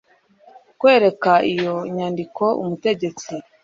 kwereka iyo nyandiko umutegetsi